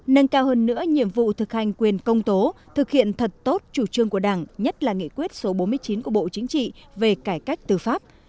nâng cao hơn nữa nhiệm vụ thực hành quyền công tố thực hiện thật tốt chủ trương của đảng nhất là nghị quyết số bốn mươi chín của bộ chính trị về cải cách tư pháp